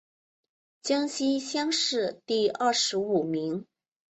江西乡试第二十五名。